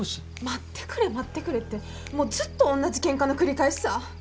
待ってくれ待ってくれってもうずっと同じケンカの繰り返しさ。